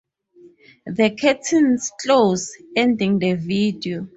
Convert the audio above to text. The curtains close, ending the video.